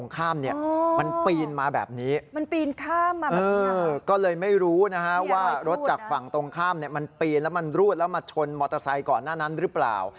ก็เลยไม่รู้นะฮะว่ารถจากฝั่งตรงข้ามมันปีนแล้วมันรูดแล้วมาชนมอเตอร์ไซค์ก่อนหน้านั้นหรือเปล่า